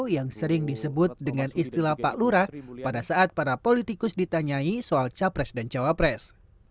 yang sering disebut dengan istilah pak lurah pada saat para politikus ditanyai soal capres dan cawapres